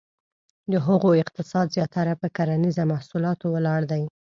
د هغو اقتصاد زیاتره په کرنیزه محصولاتو ولاړ دی.